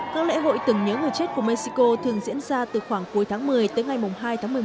các lễ hội tưởng nhớ người chết của mexico thường diễn ra từ khoảng cuối tháng một mươi tới ngày hai tháng một mươi một